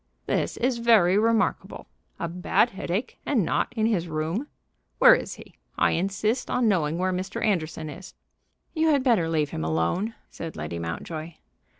"This is very remarkable. A bad headache, and not in his room! Where is he? I insist on knowing where Mr. Anderson is!" "You had better leave him alone," said Lady Mountjoy.